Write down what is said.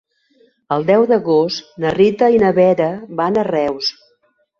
El deu d'agost na Rita i na Vera van a Reus.